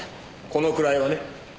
このくらいはね。